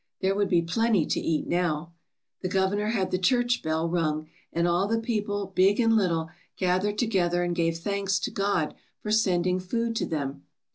There would be plenty to eat now. ^^The Governor had the church bell rung, and all the people, big and little, gathered to gether and gave thanks to God for sending food to them.